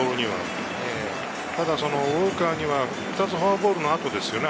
ただウォーカーには２つフォアボールの後ですね。